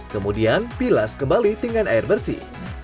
kemudian pilas kembali dengan air bersih